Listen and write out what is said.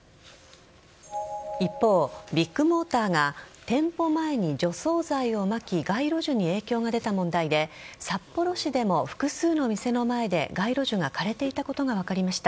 一方、ビッグモーターが店舗前に除草剤をまき街路樹に影響が出た問題で札幌市でも、複数の店の前で街路樹が枯れていたことが分かりました。